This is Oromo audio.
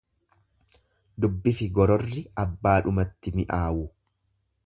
Dubbifi gororri abbaadhumatti mi'aawu.